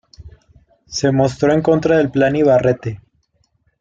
Se mostró en contra del Plan Ibarretxe.